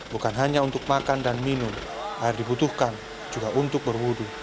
bukan hanya untuk makan dan minum air dibutuhkan juga untuk berwudu